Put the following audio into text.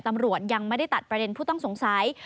ตำรวจยังไม่ได้ตัดประเด็นผู้ต้องสงสัย